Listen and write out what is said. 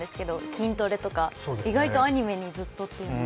筋トレとか、意外とアニメにずっとっていうのは。